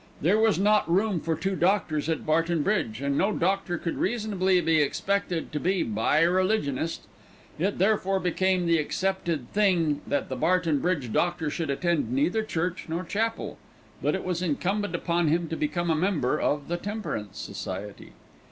There was not room for two doctors at Barton Bridge, and no doctor could reasonably be expected to be a bi religionist. It therefore became the accepted thing that the Barton Bridge doctor should attend neither church nor chapel; but it was incumbent upon him to become a member of the Temperance Society.